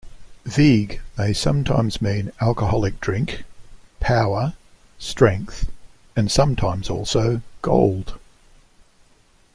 "Veig" may sometimes mean "alcoholic drink", "power, strength", and sometimes also "gold".